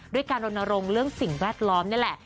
ด้วยการลงเรื่องสิ่งแวดล้อมนี่แหละ